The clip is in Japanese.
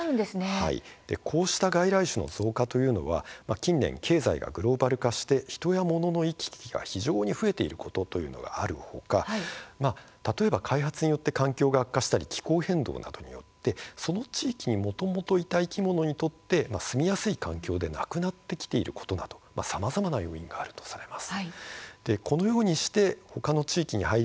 こうした外来種の増加というのは近年、経済がグローバル化して人や物の行き来が非常に増えていることがありますが例えば、開発によって環境が悪化したり気候変動などによってその地域にもともといた生き物にとって住みやすい環境になくなってきていることなど、さまざまな要因があるとされています。